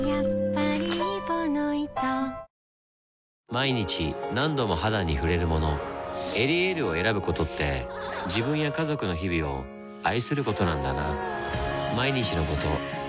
毎日何度も肌に触れるもの「エリエール」を選ぶことって自分や家族の日々を愛することなんだなぁ